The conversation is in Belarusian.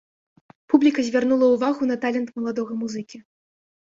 Публіка звярнула ўвагу на талент маладога музыкі.